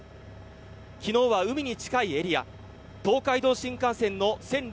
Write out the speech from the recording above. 昨日は海に近いエリア東海道新幹線の線路